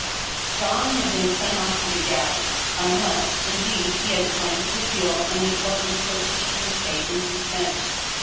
Jean had been sent off to the galleys — unless, indeed, he had signed his appeal, and the court were still keeping his fate in sus pense.